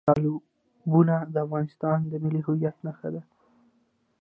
تالابونه د افغانستان د ملي هویت نښه ده.